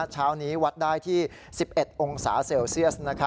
เช้านี้วัดได้ที่๑๑องศาเซลเซียส